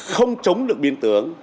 không chống được biên tướng